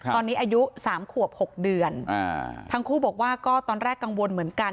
ตอนนี้อายุ๓ขวบ๖เดือนทั้งคู่บอกว่าก็ตอนแรกกังวลเหมือนกัน